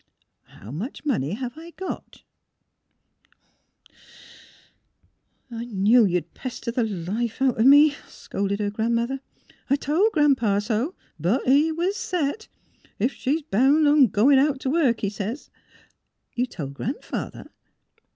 How much money have I got? " A NIGHT OF KAIN 109 *' I knew you'd pester the life out o' me," scolded her grandmother. "I toP Gran 'pa so. But he was set. ^ Ef she's bound on goin' out t' work,' he sez " "You told Gran 'father?